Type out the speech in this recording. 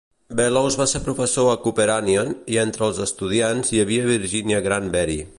Bellows va ser professor a Cooper Union, i entre els estudiants hi havia Virginia Granbery.